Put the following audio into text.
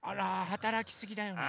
はたらきすぎだよね。